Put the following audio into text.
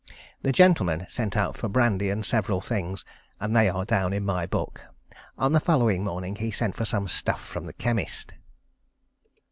The gentleman sent out for brandy and several things, and they are down in my book. On the following morning he sent for some stuff from the chemist.